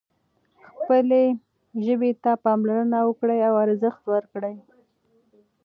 خپلې ژبې ته پاملرنه وکړئ او ارزښت ورکړئ.